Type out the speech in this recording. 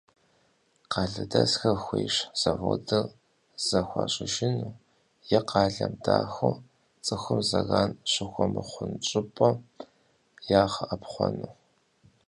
Къалэдэсхэр хуейщ заводыр зэхуащӀыжыну е къалэм дахыу цӀыхум зэран щыхуэмыхъун щӀыпӀэ ягъэӀэпхъуэну.